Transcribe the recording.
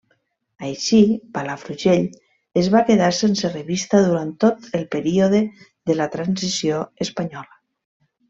Així, Palafrugell es va quedar sense revista durant tot el període de la Transició espanyola.